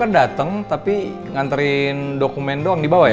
kamu dateng tapi nganterin dokumen doang dibawah ya